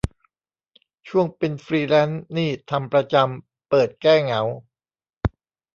ช่วงเป็นฟรีแลนซ์นี่ทำประจำ เปิดแก้เหงา